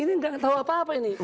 ini nggak tahu apa apa ini